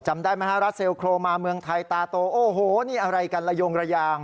จำได้ไหมฮะรัสเซลโครมาเมืองไทยตาโตโอ้โหนี่อะไรกันระยงระยาง